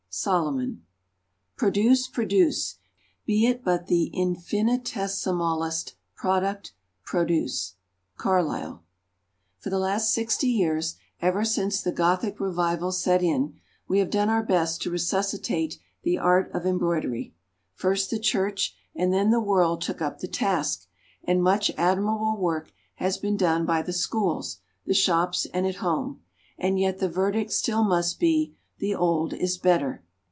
_" SOLOMON. "Produce; produce; be it but the infinitesimallest product, produce." CARLYLE. For the last sixty years, ever since the Gothic Revival set in, we have done our best to resuscitate the art of embroidery. First the Church and then the world took up the task, and much admirable work has been done by the "Schools," the shops, and at home. And yet the verdict still must be "the old is better."